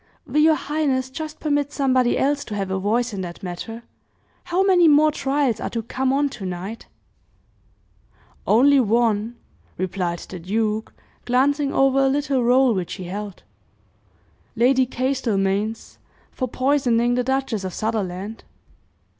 "Will your highness just permit somebody else to have a voice in that matter? How many more trials are to come on tonight?" "Only one," replied the duke, glancing over a little roll which he held; "Lady Castlemaine's, for poisoning the Duchess of Sutherland."